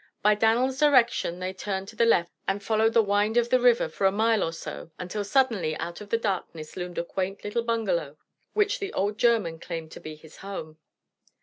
By Dan'l's direction they turned to the left and followed the wind of the river for a mile or so until suddenly out of the darkness loomed a quaint little bungalow which the old German claimed to be his home.